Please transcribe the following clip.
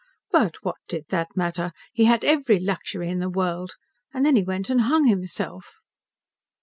"But what did that matter? He had every luxury in the world. And then he went and hung himself."